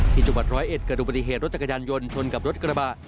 ที่จังหวัดร้อยเอ็ดเกิดอุบัติเหตุรถจักรยานยนต์ชนกับรถกระบะ